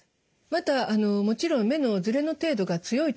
またもちろん目のずれの程度が強いとですね